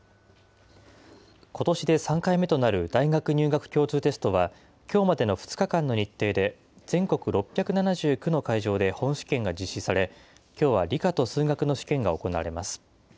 ことしで３回目となる大学入学共通テストは、きょうまでの２日間の日程で、全国６７９の会場で本試験が実施され、きょうは理科と数学の試験が行われます。